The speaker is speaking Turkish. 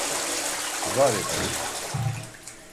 Var efendim.